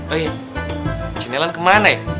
eh jenelan kemana ya